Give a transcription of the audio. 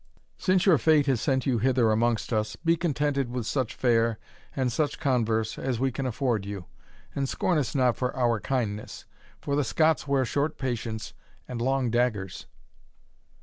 Since your fate has sent you hither amongst us, be contented with such fare and such converse as we can afford you, and scorn us not for our kindness; for the Scots wear short patience and long daggers."